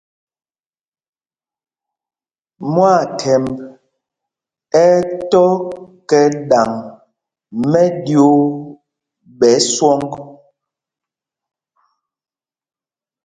Mwâthɛmb ɛ́ ɛ́ tɔ kɛ ɗaŋ mɛɗyuu ɓɛ swɔŋ.